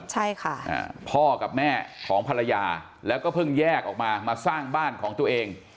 ใช่ค่ะพ่อกับแม่ของภรรยาแล้วก็เพิ่งแยกออกมามาสร้างบ้านของตัวเอง